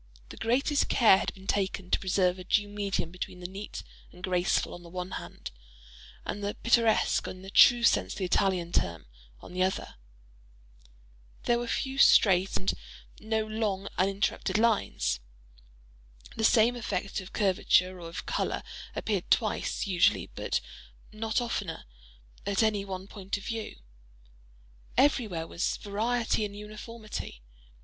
The greatest care had been taken to preserve a due medium between the neat and graceful on the one hand, and the pittoresque, in the true sense of the Italian term, on the other. There were few straight, and no long uninterrupted lines. The same effect of curvature or of color appeared twice, usually, but not oftener, at any one point of view. Everywhere was variety in uniformity.